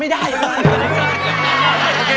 ไม่ตอบหัวบ้านแต่หัวชุดสปองบ๊อบ